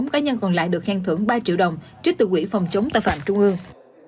bốn mươi cá nhân còn lại được khen thưởng ba triệu đồng trích từ quỹ phòng chống tội phạm trung ương